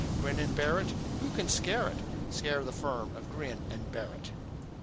Grin and Barrett, Who can scare it? Scare the firm of Grin and Barrett?